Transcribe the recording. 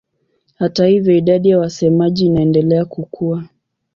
Hata hivyo idadi ya wasemaji inaendelea kukua.